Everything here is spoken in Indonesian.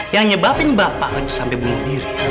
yang nyebabin bapak sampai bunuh diri